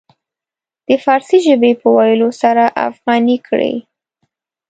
د فارسي ژبې په ويلو سره افغاني کړي.